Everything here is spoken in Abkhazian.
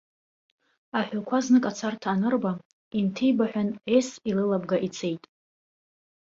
Аҳәақәа знык ацарҭа анырба, инҭибаҳәан, ес илылабга ицеит.